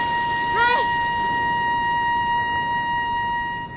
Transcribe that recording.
はい。